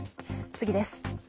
次です。